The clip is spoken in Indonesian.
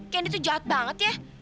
kendi itu sangat jahat